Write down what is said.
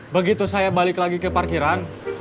begitu saya balik lagi ke parkiran